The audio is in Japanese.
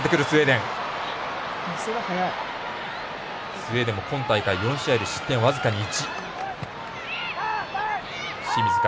スウェーデンも今大会で４試合で失点僅かに１。